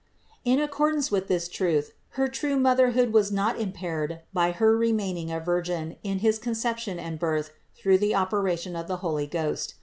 478. In accordance with this truth her true motherhood was not impaired by her remaining a Virgin in his con ception and birth through operation of the Holy Ghost.